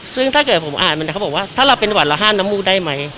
ซึ่งถ้าเกิดผมอ่านมันเขาบอกว่าถ้าเราเป็นหวัดเราห้ามน้ำมูกได้ไหม